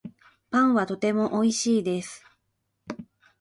パンはとてもおいしいです